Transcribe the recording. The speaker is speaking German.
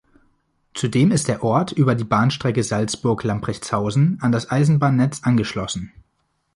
Zudem ist der Ort über die Bahnstrecke Salzburg–Lamprechtshausen an das Eisenbahnnetz angeschlossen.